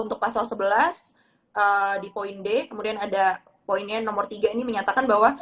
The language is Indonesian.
untuk pasal sebelas di poin d kemudian ada poinnya nomor tiga ini menyatakan bahwa